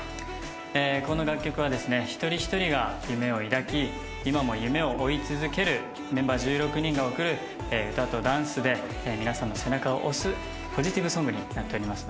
この曲は一人一人が夢を抱き、今も夢を追い続けるメンバー１６人が送る、歌とダンスで皆さんの背中を押す、ポジティブソングになっております。